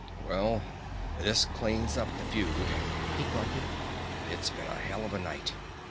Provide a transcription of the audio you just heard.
"Well, this cleans up the feud," he grunted. "It's been a hell of a night!